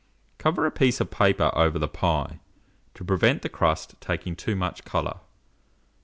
Cover a piece of paper over the pie, to prevent the crust taking too much colour.